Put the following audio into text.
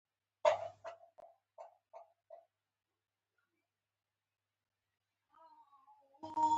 عکسونه مو واخیستل.